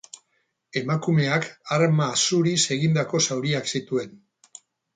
Emakumeak arma zuriz egindako zauriak zituen.